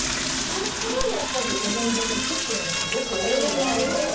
それからやっぱり思い出に行くっていうのがすごく多いですよね